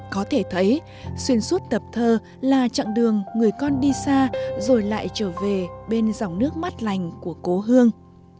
có thể thấy xuyên suốt tập thơ là chặng đường người con đi xa rồi lại trở về bên dòng nước mắt lành của cố hương